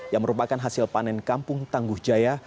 yang merupakan hasil panen kampung tangguh jaya